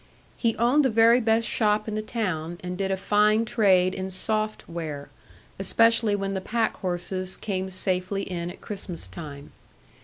He owned the very best shop in the town, and did a fine trade in soft ware, especially when the pack horses came safely in at Christmas time.